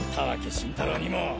晋太郎にも。